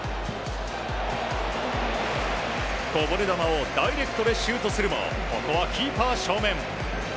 こぼれ球をダイレクトでシュートするもここはキーパー正面。